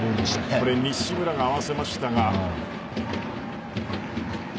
最後、西村が合わせました。